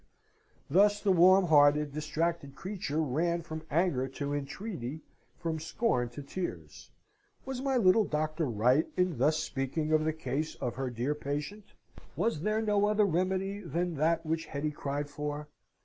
Thus the warm hearted, distracted creature ran from anger to entreaty, from scorn to tears. Was my little doctor right in thus speaking of the case of her dear patient? Was there no other remedy than that which Hetty cried for?